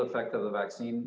apakah itu akan